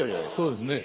そうですね。